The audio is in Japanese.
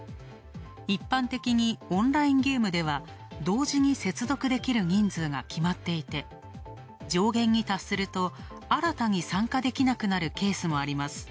一般的にオンラインゲームでは、同時に接続できる人数が決まっていて、上限に達すると新たに参加できなくなるケースも。